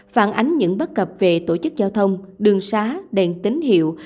phản ánh những bất cập về tổ chức giao thông đường xá đèn tín hiệu